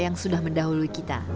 yang sudah mendahului kita